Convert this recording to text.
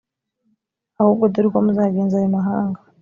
ahubwo dore uko muzagenza ayo mahanga